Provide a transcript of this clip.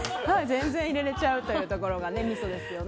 全然入れられちゃうというところがミソです。